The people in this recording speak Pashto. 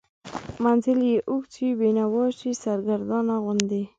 منزل یې اوږد شي، بینوا شي، سرګردانه غوندې